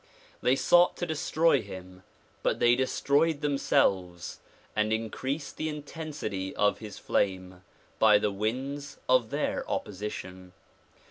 They sought to destroy him but they de stroyed themselves and increased the intensity of his flame by the winds of their opposition.